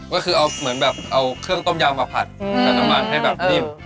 ก็คือเอาเครื่องต้มยำมาผัดกับน้ำมันให้นิ่ม